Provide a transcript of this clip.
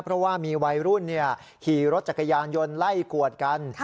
เพราะว่ามีวัยรุ่นขี่รถจักรยานยนต์ไล่กวดกัน